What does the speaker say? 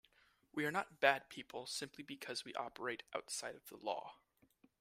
We are not bad people simply because we operate outside of the law.